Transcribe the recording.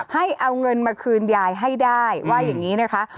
ให้เอาเงินมาคืนยายให้ได้ว่าอย่างนี้นะคะ